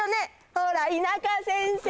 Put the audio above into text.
ほら田舎先生